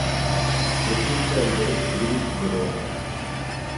uzitondere ibiri imbere yawe